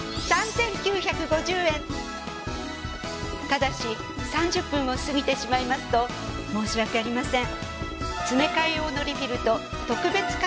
ただし３０分を過ぎてしまいますと申し訳ありません。